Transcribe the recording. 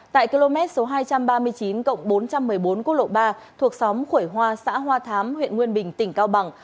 tại km hai trăm ba mươi chín bốn trăm một mươi bốn cô lộ ba thuộc xóm khuẩy hoa xã hoa thám huyện nguyên bình tỉnh cao bằng